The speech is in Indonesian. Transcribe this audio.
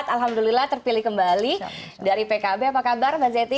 alhamdulillah terpilih kembali dari pkb apa kabar mbak zeti